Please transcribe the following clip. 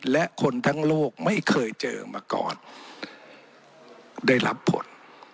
และคนทั้งโลกไม่เคยเจอมาก่อนได้รับผล